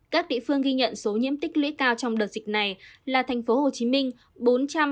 các địa phương ghi nhận số nhiễm tích lưỡi cao trong đợt dịch này là thành phố hồ chí minh bốn trăm bốn mươi hai sáu trăm ba mươi ca